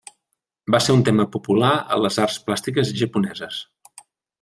Va ser un tema popular a les arts plàstiques japoneses.